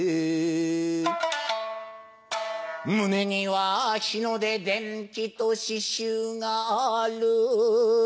胸には「日の出電気」と刺繍がある